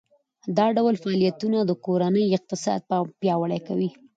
دا ډول فعالیتونه د کورنۍ اقتصاد پیاوړی کوي.